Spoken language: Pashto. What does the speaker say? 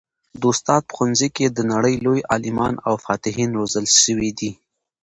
د استاد په ښوونځي کي د نړۍ لوی عالمان او فاتحین روزل سوي دي.